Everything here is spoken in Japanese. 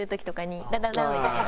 みたいな。